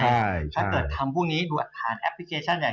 ใช่ถ้าเกิดทำพรุ่งนี้ดูผ่านแอปพลิเคชันอย่างเดียว